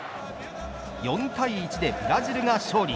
４対１でブラジルが勝利。